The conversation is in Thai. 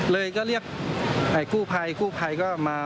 เลยก็เรียกกู้ภัยกู้ภัยก็มา